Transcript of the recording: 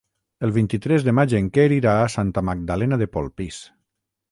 El vint-i-tres de maig en Quer irà a Santa Magdalena de Polpís.